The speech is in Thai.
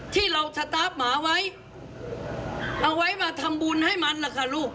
ที่เราสตาร์ฟหมาไว้เอาไว้มาทำบุญให้มันล่ะค่ะลูก